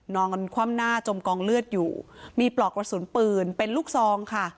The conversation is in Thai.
นอนคว่ำหน้าจมกองเลือดอยู่มีปลอกกระสุนปืนเป็นลูกซองค่ะ